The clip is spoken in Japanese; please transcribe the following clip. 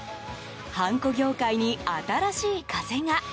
ハンコ業界に新しい風が。